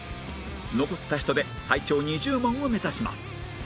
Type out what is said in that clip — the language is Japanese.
残った人で最長２０問を目指します